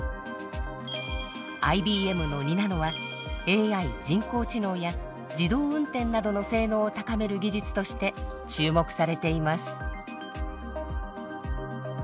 ＩＢＭの２ナノはＡＩ人工知能や自動運転などの性能を高める技術として注目されています。